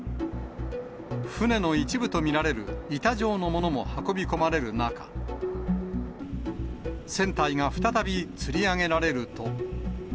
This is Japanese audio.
船の一部と見られる板状のものも運び込まれる中、船体が再びつり上げられると。